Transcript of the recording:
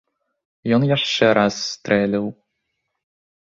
Ён яшчэ раз стрэліў.